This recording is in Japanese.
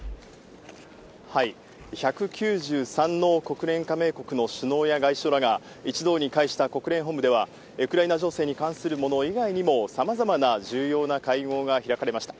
１９３の国連加盟国の首脳や外相らが一堂に会した国連本部では、ウクライナ情勢に関するもの以外にも、さまざまな重要な会合が開かれました。